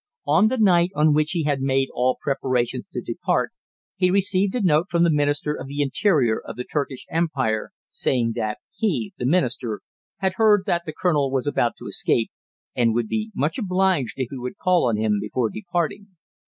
On the night on which he had made all preparations to depart he received a note from the Minister of the Interior of the Turkish Empire saying that he, the Minister, had heard that the colonel was about to escape, and would be much obliged if he would call on him before departing.